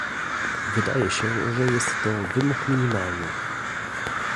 Wydaje się, że jest to wymóg minimalny